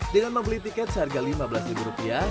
dengan membeli tiket seharga lima belas rupiah